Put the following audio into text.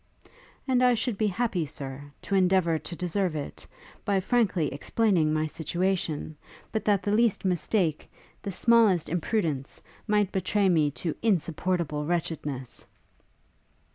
'And I should be happy, Sir, to endeavour to deserve it, by frankly explaining my situation, but that the least mistake, the smallest imprudence, might betray me to insupportable wretchedness.'